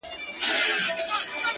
موږه سپارلي دي د ښكلو ولېمو ته زړونه ـ